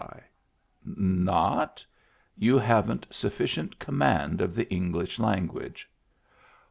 " You haven't sufficient command of the Eng lish language."